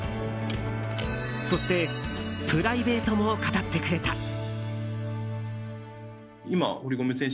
そして、プライベートも語ってくれた。